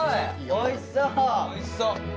おいしそう！